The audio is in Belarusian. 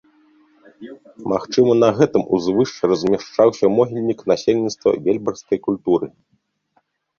Магчыма, на гэтым узвышшы размяшчаўся могільнік насельніцтва вельбарскай культуры.